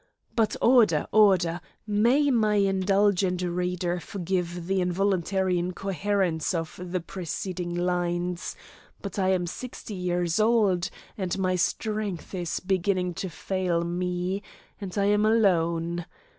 But order! order! May my indulgent reader forgive the involuntary incoherence of the preceding lines, but I am sixty years old, and my strength is beginning to fail me, and I am alone.